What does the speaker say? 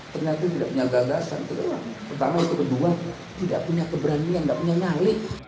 ternyata tidak punya gagasan pertama itu kedua tidak punya keberanian tidak punya nyalik